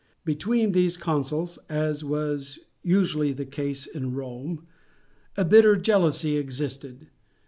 Between these consuls, as was usually the case in Rome, a bitter jealousy existed.